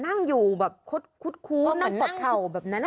นั่งอยู่แบบคุดคูนั่งกดเข่าแบบนั้น